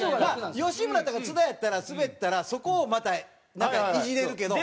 吉村とか津田やったらスベったらそこをまたなんかイジれるけど。